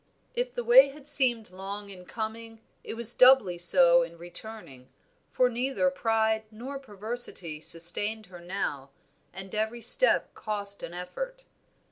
If the way had seemed long in coming it was doubly so in returning, for neither pride nor perversity sustained her now, and every step cost an effort.